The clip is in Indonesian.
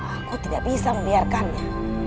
aku tidak bisa membiarkannya